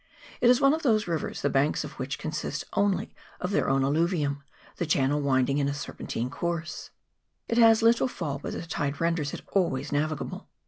It is one of those rivers the banks of which consist only of their own alluvium, the channel winding in a serpentine course ; it has little fall, but the tide renders it always navigable.